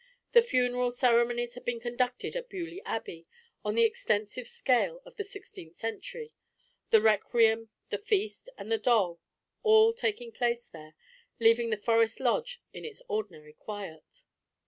The funeral ceremonies had been conducted at Beaulieu Abbey on the extensive scale of the sixteenth century, the requiem, the feast, and the dole, all taking place there, leaving the Forest lodge in its ordinary quiet.